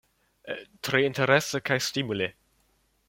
Tre interese kaj stimule.